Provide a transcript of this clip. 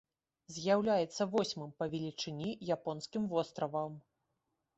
З'яўляецца восьмым па велічыні японскім востравам.